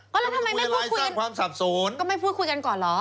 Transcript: ก็แล้วทำไมไม่พูดคุยกันก็ไม่พูดคุยกันก่อนเหรอ